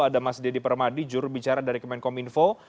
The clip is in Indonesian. ada mas deddy permadi jurubicara dari kemenkom info